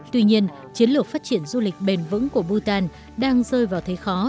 tuy nhiên chiến lược phát triển du lịch bền vững của bhutan đang rơi vào thế khó